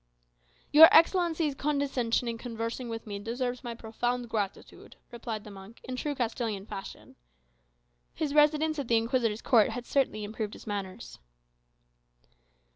"Your Excellency's condescension in conversing with me deserves my profound gratitude," replied the monk, in true Castilian fashion. His residence at the Inquisitor's Court had certainly improved his manners.